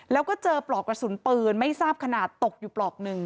แล้วก็เจอปลอกกระสุนปืนไม่ทราบขนาดตกแบบนึง